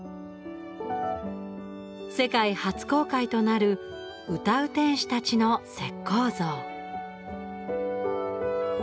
世界初公開となる歌う天使たちの石こう像。